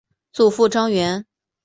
祖父张员。